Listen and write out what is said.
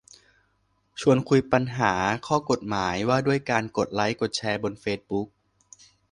ชวนคุยปัญหาข้อกฎหมายว่าด้วยการกดไลค์กดแชร์บนเฟซบุ๊ก